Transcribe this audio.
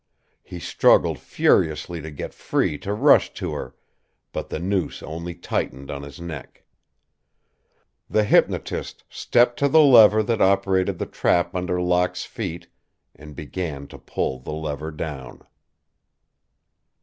He struggled furiously to get free to rush to her, but the noose only tightened on his neck. The hypnotist stepped to the lever that operated the trap under Locke's feet and began to pull the lever down.